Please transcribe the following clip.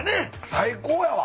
最高やわ。